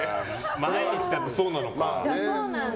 毎日だとそうなのか。